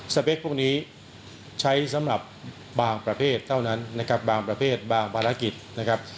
เป๊กพวกนี้ใช้สำหรับบางประเภทเท่านั้นนะครับบางประเภทบางภารกิจนะครับ